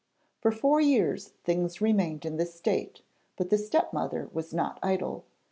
For four years things remained in this state, but the stepmother was not idle.